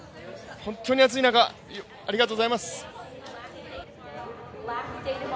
本当に暑い中ありがとうございます。